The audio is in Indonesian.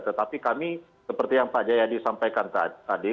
tetapi kami seperti yang pak jayadi sampaikan tadi